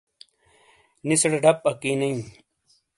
نِیسیڑے ڈب اکی نے ایئں۔